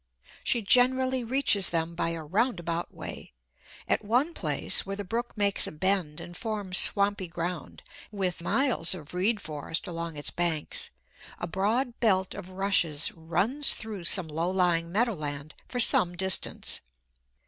She generally reaches them by a round about way. At one place where the brook makes a bend and forms swampy ground with miles of reed forest along its banks, a broad belt of rushes runs through some low lying meadow land for some distance.